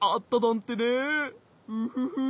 フフフフ。